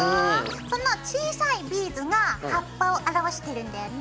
その小さいビーズが葉っぱを表しているんだよね。